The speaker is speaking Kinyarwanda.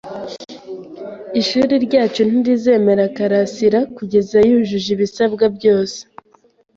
Ishuri ryacu ntirizemera karasira kugeza yujuje ibisabwa byose.